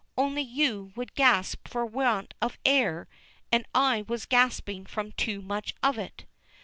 Only you would gasp for want of air, and I was gasping from too much of it.